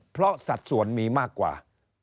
เพราะสัดส่วนมีมากกว่า